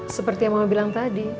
seperti yang mama bilang tadi